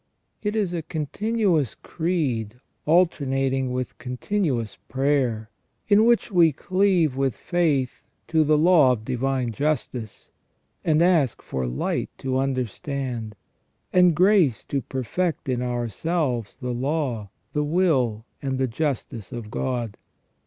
It is a continuous creed alternating with continuous prayer, in which we cleave with faith to the law of Divine Justice, and ask for light to under stand, and grace to perfect in ourselves the law, the will, and the justice of God.